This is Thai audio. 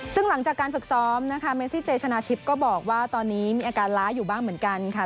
ซึ่งหลังจากการฝึกซ้อมนะคะเมซี่เจชนะทิพย์ก็บอกว่าตอนนี้มีอาการล้าอยู่บ้างเหมือนกันค่ะ